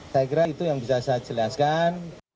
saya kira itu yang bisa saya jelaskan